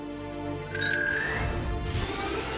โปรดติดตามตอนต่อไป